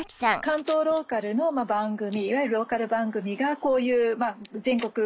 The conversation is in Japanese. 関東ローカルの番組いわゆるローカル番組がこういう全国